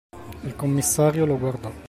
Il commissario lo guardò.